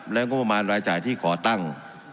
และงบมารรยาจ่ายที่ขอตั้ง